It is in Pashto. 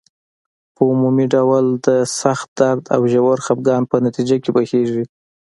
په عمومي ډول د سخت درد او ژور خپګان په نتیجه کې بهیږي.